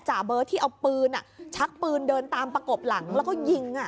เบิร์ตที่เอาปืนชักปืนเดินตามประกบหลังแล้วก็ยิง